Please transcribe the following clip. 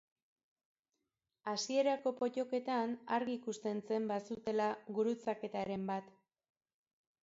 Hasierako pottoketan argi ikusten zen bazutela gurutzaketaren bat.